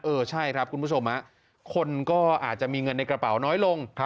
ใช่ครับคุณผู้ชมคนก็อาจจะมีเงินในกระเป๋าน้อยลง